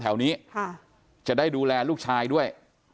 แถวนี้จะได้ดูแลลูกชายด้วย